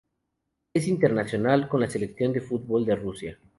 Es internacional con la selección de fútbol de Rusia.